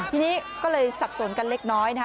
ที่นี่ก็เลยซับสนน้อย